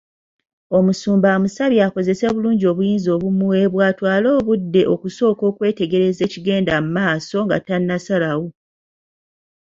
Omusumba amusabye akozese bulungi obuyinza obumuweebwa atwale obudde okusooka okwetegereza ekigenda mumaaso nga tannasalawo.